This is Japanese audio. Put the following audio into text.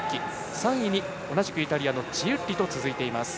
３位に同じくイタリアのチウッリと続いています。